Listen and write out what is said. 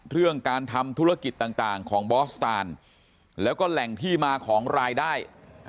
เรื่องการทำธุรกิจต่างของบอสตานแล้วก็แหล่งที่มาของรายได้